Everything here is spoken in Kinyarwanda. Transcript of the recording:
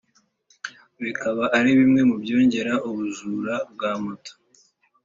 bikaba ari bimwe mu byongera ubujura bwa moto